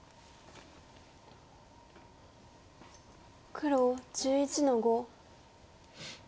黒１１の五。